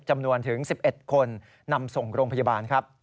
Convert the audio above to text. จำนวนถึง๑๑คนนำส่งโรงพยาบาลครับ